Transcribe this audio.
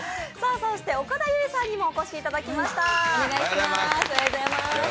そして岡田結実さんにもお越しいただきました。